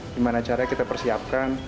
di mana caranya kita persiapkan